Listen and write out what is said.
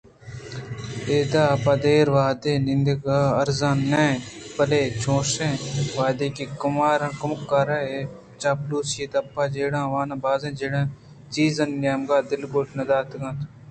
ادا پہ دیر وہدءَ نندگ ارزان نہ اَت بلئے چوشیں وہدے کہ کمکارانی چاپلوسی ءُدپ جڑیاں آوان بازیں چیزانی نیمگءَ دلگوش نہ داتگ اَت